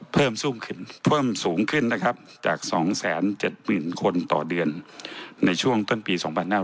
เพิ่มสูงขึ้นนะครับจาก๒๗๐๐๐คนต่อเดือนในช่วงต้นปี๒๕๕๙